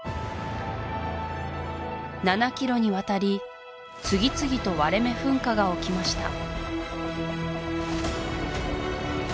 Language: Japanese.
７ｋｍにわたり次々と割れ目噴火が起きました